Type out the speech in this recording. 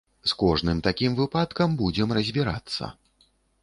З кожным такім выпадкам будзем разбірацца.